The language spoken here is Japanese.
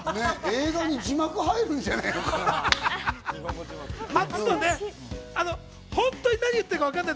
映画に字幕入るんじゃないかな。